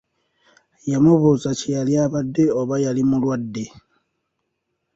Yamubuuza kye yali abadde oba yali mulwadde.